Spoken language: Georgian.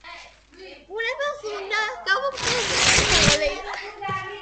ბუნებას უნდა გავუფრთხილდეთ!♡!